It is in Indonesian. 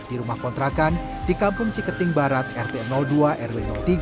di rumah kontrakan di kampung ciketing barat rt dua rw tiga